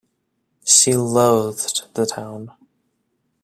She loathed the town.